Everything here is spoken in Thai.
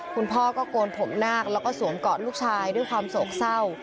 คุณพ่อก็โกนผมนาคแล้วก็สวมกอดลูกชายด้วยความโศกเศร้า